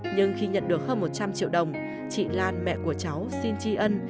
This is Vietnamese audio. nhưng khi nhận được hơn một trăm linh triệu đồng chị lan mẹ của cháu xin tri ân